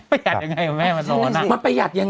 ประหยัดยังไงอะแม่ผมเอามานั่ง